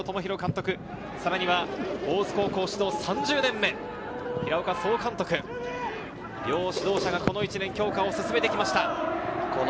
ＯＢの山城朋大監督、さらには大津高校指導３０年目、平岡総監督、両指導者がこの１年強化を進めてきました。